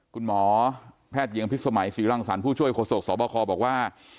คุณหมอแพทย์หญิงพิษสมัยศรีรังสรรค์ผู้ช่วยโศกสบคบอกว่า